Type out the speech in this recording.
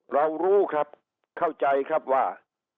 รู้ครับเข้าใจครับว่า